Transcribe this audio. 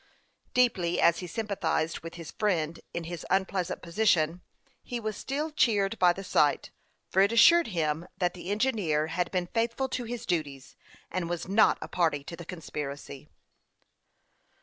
Deeply as he sympathized with his friend in his unpleasant position, he was still cheered by the sight, for it assured him that the engineer had been faithful to his duties, and was not a party to the conspiracy.